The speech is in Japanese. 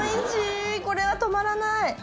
これは止まらない。